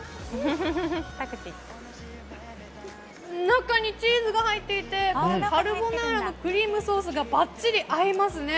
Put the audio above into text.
中にチーズが入っていてカルボナーラのクリームソースがばっちり合いますね。